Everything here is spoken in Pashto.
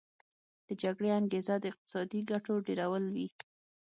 د جګړې انګیزه د اقتصادي ګټو ډیرول وي